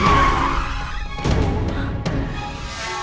tidak ada apa apa